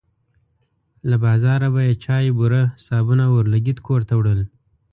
له بازاره به یې چای، بوره، صابون او اورلګیت کور ته وړل.